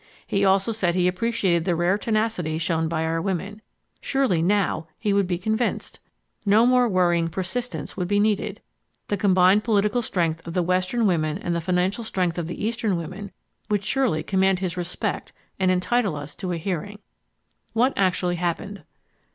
He also said he appreciated the rare tenacity shown by our women. Surely "now" he would be convinced! No more worrying persistence would be needed ! The combined political strength of the western women and the financial strength of the eastern women would surely command his respect and entitle us to a hearing. What actually happened?